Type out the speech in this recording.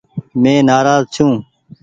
مين نآراز ڇون ۔